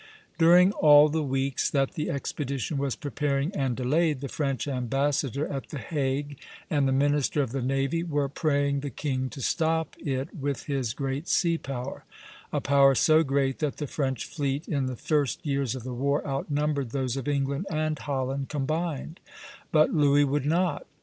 During all the weeks that the expedition was preparing and delayed, the French ambassador at the Hague and the minister of the navy were praying the king to stop it with his great sea power, a power so great that the French fleet in the first years of the war outnumbered those of England and Holland combined; but Louis would not.